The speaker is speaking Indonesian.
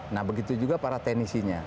nah begitu juga para teknisinya